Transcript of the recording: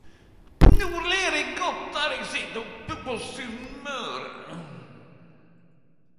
No ler eg godt her eg sit oppe på Sunnmøre!!